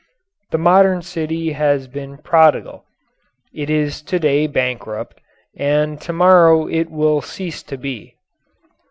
The modern city has been prodigal, it is to day bankrupt, and to morrow it will cease to be.